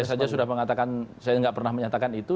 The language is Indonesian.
saya saja sudah mengatakan saya tidak pernah menyatakan itu